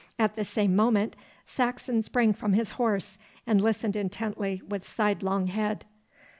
At the same moment Saxon sprang from his horse and listened intently with sidelong head.